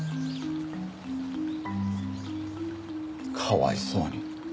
かわいそうに。